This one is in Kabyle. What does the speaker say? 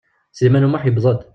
Sliman U Muḥ yewweḍ-d.